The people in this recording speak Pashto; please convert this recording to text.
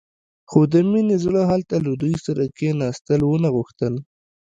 خو د مينې زړه هلته له دوی سره کښېناستل ونه غوښتل.